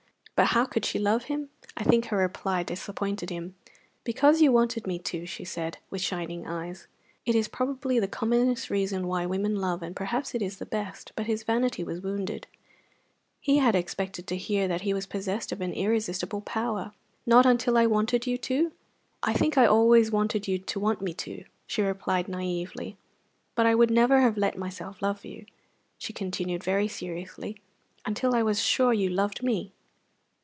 But how could she love him? I think her reply disappointed him. "Because you wanted me to," she said, with shining eyes. It is probably the commonest reason why women love, and perhaps it is the best; but his vanity was wounded he had expected to hear that he was possessed of an irresistible power. "Not until I wanted you to?" "I think I always wanted you to want me to," she replied, naïvely; "but I would never have let myself love you," she continued very seriously, "until I was sure you loved me."